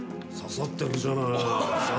ささってるじゃない。